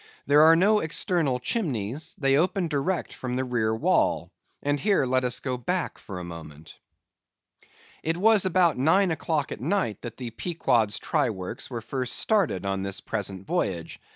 There are no external chimneys; they open direct from the rear wall. And here let us go back for a moment. It was about nine o'clock at night that the Pequod's try works were first started on this present voyage.